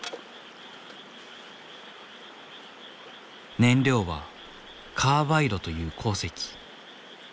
燃料はカーバイドという鉱石。